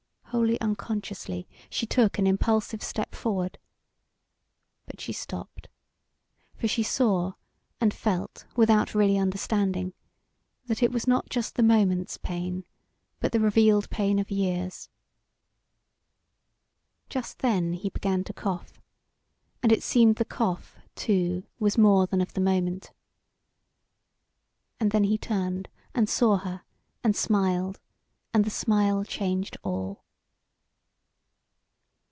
Wholly unconsciously she took an impulsive step forward. But she stopped, for she saw, and felt without really understanding, that it was not just the moment's pain, but the revealed pain of years. Just then he began to cough, and it seemed the cough, too, was more than of the moment. And then he turned and saw her, and smiled, and the smile changed all.